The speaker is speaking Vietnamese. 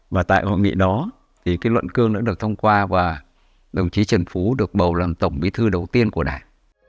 và tại hội nghị đó thì cái luận cương đã được thông qua và đồng chí trần phú được bầu làm tổng bí thư đầu tiên của đảng